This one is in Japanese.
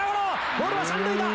ボールは三塁だ！